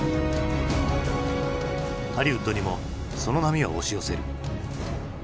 ハリウッドにもその波は押し寄せる。